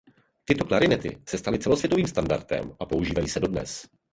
Tyto klarinety se staly celosvětovým standardem a používají se dodnes.